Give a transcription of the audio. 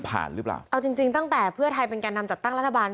หรือเปล่าเอาจริงจริงตั้งแต่เพื่อไทยเป็นแก่นำจัดตั้งรัฐบาล